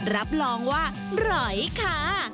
รับรองว่าอร่อยค่ะ